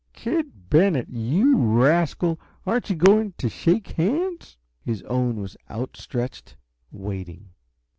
"Kid Bennett, you rascal, aren't you going to shake hands?" His own was outstretched, waiting.